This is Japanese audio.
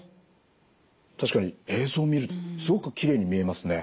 確かに映像を見るとすごくきれいに見えますね。